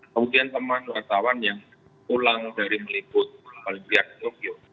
kemudian teman wartawan yang pulang dari meliput paling tidak di tokyo